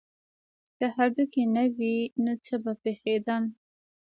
که هډوکي نه وی نو څه به پیښیدل